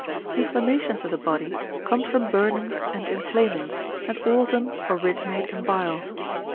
Inflammations of the body come from burnings and inflamings, and all of them originate in bile.